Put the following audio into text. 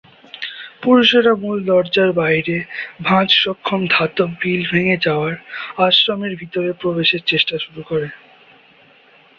পুরুষরা মূল দরজার বাইরে ভাঁজ-সক্ষম ধাতব গ্রিল ভেঙে যাওয়ার আশ্রমের ভিতরে প্রবেশের চেষ্টা শুরু করে।